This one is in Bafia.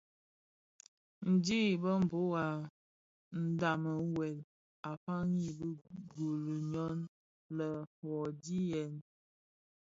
Ndhi i Mbhöbhög a ndhami wuèl a faňi bi gul nwe lè: wuodhi yèn !